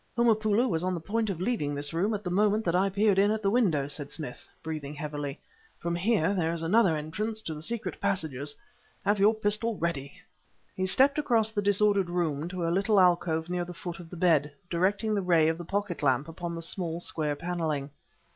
"Homopoulo was on the point of leaving this room at the moment that I peered in at the window," said Smith, breathing heavily. "From here there is another entrance to the secret passages. Have your pistol ready." He stepped across the disordered room to a little alcove near the foot of the bed, directing the ray of the pocket lamp upon the small, square paneling.